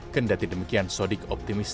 kendati demikian sodik optimis